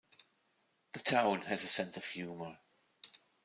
The town has a sense of humor.